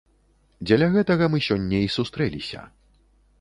Дзеля гэтага мы сёння і сустрэліся.